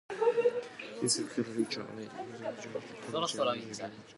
If the algorithm reaches the end of the list, the search terminates unsuccessfully.